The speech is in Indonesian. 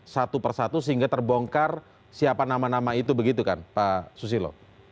satu persatu sehingga terbongkar siapa nama nama itu begitu kan pak susilo